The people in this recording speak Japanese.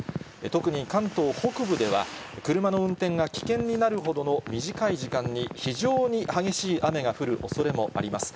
特に関東北部では、車の運転が危険になるほどの、短い時間に非常に激しい雨が降るおそれもあります。